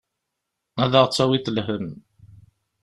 Ad aɣ-d-tawiḍ lhemm.